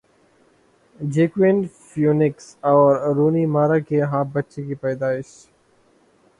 Joaquin Phoenix اور Rooney Mara کے ہاں بچے کی پیدائش